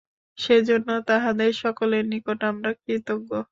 সেজন্য তাঁহাদের সকলের নিকট আমরা কৃতজ্ঞ।